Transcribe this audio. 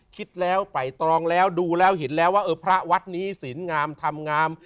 คิดแล้วไปตรองแล้วดูแล้วเห็นแล้วว่าเออพระวัดนี้สินงามทำงาม